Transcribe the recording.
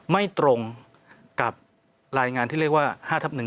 ไม่ตรงกับรายงานที่เรียกว่า๕ทับ๑